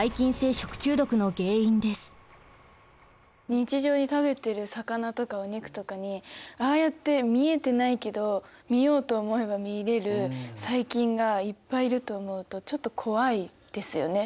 日常に食べてる魚とかお肉とかにああやって見えてないけど見ようと思えば見れる細菌がいっぱいいると思うとちょっと怖いですよね。